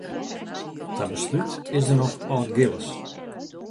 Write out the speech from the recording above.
Ta beslút is der noch Aldgillis.